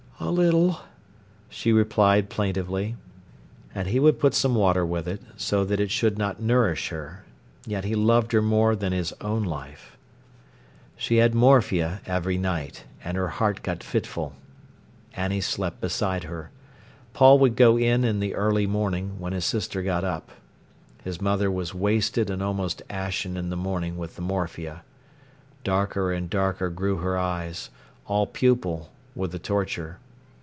"A little," she replied plaintively. And he would put some water with it, so that it should not nourish her. Yet he loved her more than his own life. She had morphia every night, and her heart got fitful. Annie slept beside her. Paul would go in in the early morning, when his sister got up. His mother was wasted and almost ashen in the morning with the morphia. Darker and darker grew her eyes, all pupil, with the torture.